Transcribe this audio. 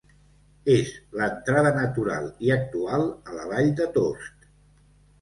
És l'entrada natural i actual a la Vall de Tost.